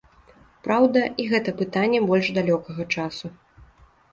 Праўда, і гэта пытанне больш далёкага часу.